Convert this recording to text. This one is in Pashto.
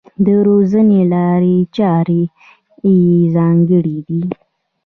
د روزنې لارې چارې یې ځانګړې دي.